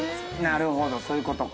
なるほどそういうことか。